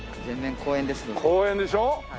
公園でしょ？